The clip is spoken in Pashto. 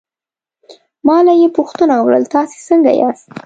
له ما یې پوښتنه وکړل: تاسې څنګه یاست؟